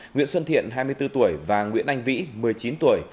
nguyễn xuân thiện hai mươi bốn tuổi và nguyễn anh vĩ một mươi chín tuổi